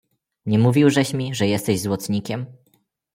"Nie mówił żeś mi, że jesteś złotnikiem?"